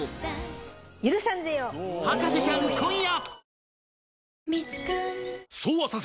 『博士ちゃん』今夜！